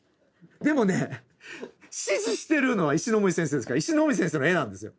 でもね指示してるのは石森先生ですから石森先生の絵なんですよ。